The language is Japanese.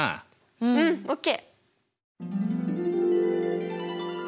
うんＯＫ！